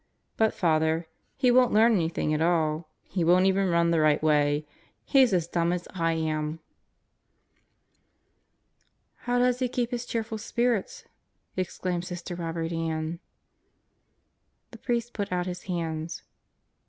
But, Father, he won't learn anything at all. He won't even run the right way. He's as dumb as I am. "How does he keep his cheerful spirits?" exclaimed Sister Robert Ann. The priest put out his hands.